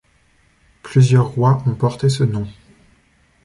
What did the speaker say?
Plusieurs rois ont porté ce nom.